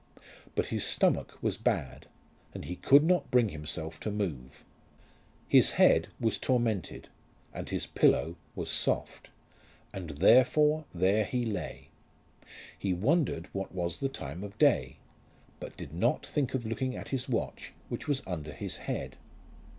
But his stomach was bad, and he could not bring himself to move. His head was tormented, and his pillow was soft; and therefore there he lay. He wondered what was the time of day, but did not think of looking at his watch which was under his head.